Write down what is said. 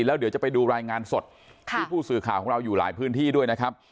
แล้วเดี๋ยวจะไปดูรายงานสดที่ผู้สื่อข่าวของเราอยู่หลายพื้นที่ด้วยนะครับ